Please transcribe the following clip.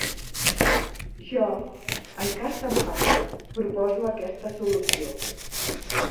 Jo, en cas d'empat, proposo aquesta solució.